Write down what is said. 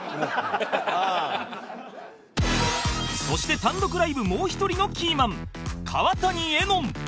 そして単独ライブもう１人のキーマン川谷絵音